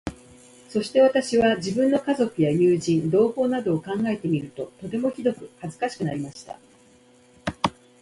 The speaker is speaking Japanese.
そして私は、自分の家族や友人、同胞などを考えてみると、とてもひどく恥かしくなりました。